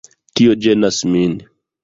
Tio ĝenas min.